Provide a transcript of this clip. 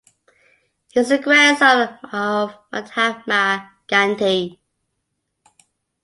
He is the grandson of Mahatma Gandhi.